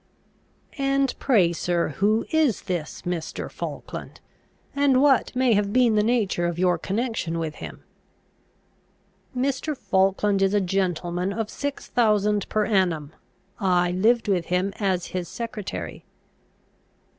"And pray, sir, who is this Mr. Falkland? and what may have been the nature of your connection with him?" "Mr. Falkland is a gentleman of six thousand per annum. I lived with him as his secretary."